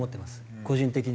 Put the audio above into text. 個人的には。